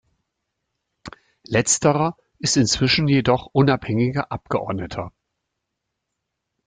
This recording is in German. Letzterer ist inzwischen jedoch unabhängiger Abgeordneter.